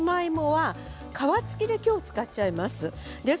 皮付きで今日使っちゃいます。